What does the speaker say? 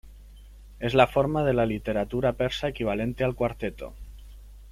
Es la forma de la literatura persa equivalente al cuarteto.